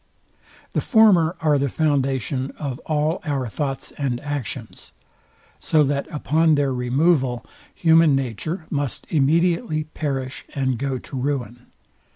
The former are the foundation of all our thoughts and actions, so that upon their removal human nature must immediately perish and go to ruin.